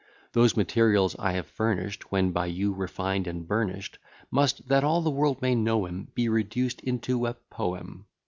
Those materials I have furnish'd, When by you refined and burnish'd, Must, that all the world may know 'em, Be reduced into a poem.